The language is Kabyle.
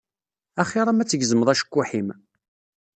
Axiṛ-am ad tgezmeḍ acekkuḥ-im.